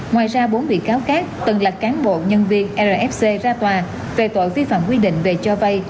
ngoài ra bốn bị cáo khác từng là cán bộ nhân viên rfc ra tòa về tội vi phạm quy định về cho vay